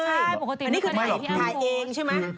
ใช่ปกตินี้คือถ่ายที่อัมโฟนถ่ายเองใช่ไหม